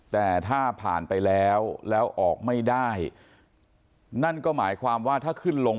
แต่ถ้าผ่านไปแล้วแล้วออกไม่ได้นั่นก็หมายความว่าถ้าขึ้นลง